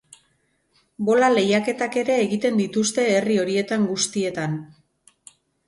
Bola lehiaketak ere egiten dituzte herri horietan guztietan.